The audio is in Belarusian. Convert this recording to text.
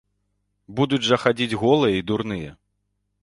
Будуць жа хадзіць голыя і дурныя!